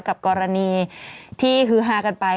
กับกรณีที่ฮือฮากันไป